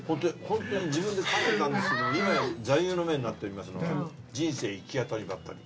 本当に自分で立てたんですけど今や座右の銘になっておりますのが人生行き当たりばったり。